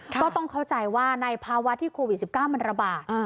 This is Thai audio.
ก็ต้องเข้าใจว่าในภาวะที่โควิด๑๙มันระบาด